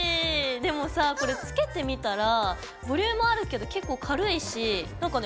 でもさこれつけてみたらボリュームあるけど結構軽いしなんかねバランスとれてる。